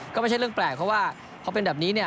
ก็ไม่ใช่เรื่องแปลกเพราะว่าพอเป็นแบบนี้เนี่ย